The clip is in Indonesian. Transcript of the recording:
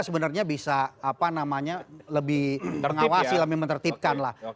sebenarnya bisa apa namanya lebih mengawasi lebih menertibkan lah